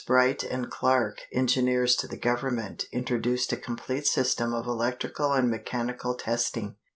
Bright & Clark (engineers to the Government) introduced a complete system of electrical and mechanical testing.